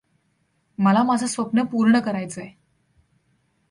मला माझं स्वप्न पूर्ण करायचंय.